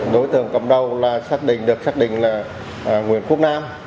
đối tượng cầm đầu được xác định là nguyễn quốc nam